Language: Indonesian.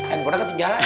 eh udah ketinggalan